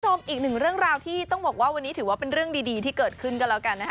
คุณผู้ชมอีกหนึ่งเรื่องราวที่ต้องบอกว่าวันนี้ถือว่าเป็นเรื่องดีที่เกิดขึ้นก็แล้วกันนะคะ